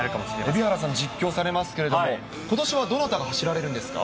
蛯原さん、実況されますけど、ことしはどなたが走られるんですか？